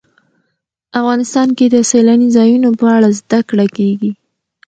افغانستان کې د سیلاني ځایونو په اړه زده کړه کېږي.